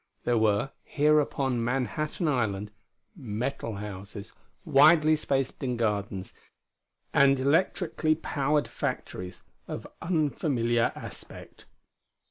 There were, here upon Manhattan Island, metal houses, widely spaced in gardens, and electrically powered factories of unfamiliar aspect.